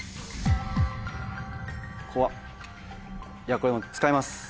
これもう使います